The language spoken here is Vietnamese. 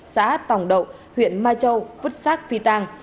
xã tòng đậu huyện mai châu vứt xác phi tàng